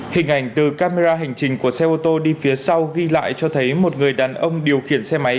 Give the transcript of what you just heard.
hình ảnh từ camera hành trình của xe ô tô đi phía sau ghi lại cho thấy một người đàn ông điều khiển xe máy